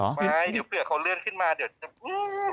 ไม่เดี๋ยวเผื่อเขาเลื่อนขึ้นมาเดี๋ยวจะอืม